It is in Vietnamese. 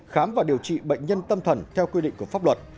khám và điều trị bệnh nhân tâm thần theo quy định của pháp luật